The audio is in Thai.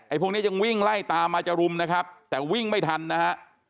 พวกนี้ยังวิ่งไล่ตามมาจะรุมนะครับแต่วิ่งไม่ทันนะฮะ